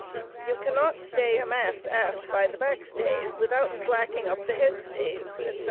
You cannot stay a mast aft by the back stays without slacking up the head stays, etc.